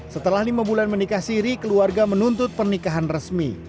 setelah lima bulan menikah siri keluarga menuntut pernikahan resmi